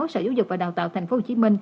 sở giáo dục và đào tạo tp hcm